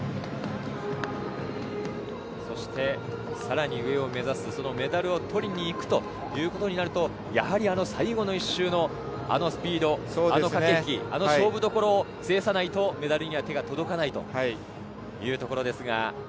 そしてさらに上を目指す、メダルを取りに行くということになると、やはり最後の１周のあのスピード、あの駆け引き、勝負どころを制さないとメダルには手が届かないというところです。